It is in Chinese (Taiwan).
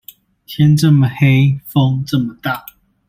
天這麼黑，風這麼大